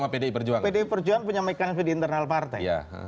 pdi perjuangan punya mekanisme di internal partai